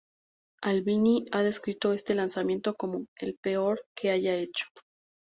Albini ha descrito este lanzamiento como "el peor que haya hecho".